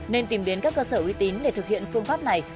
nên tìm đến các cơ sở uy tín để thực hiện phương pháp này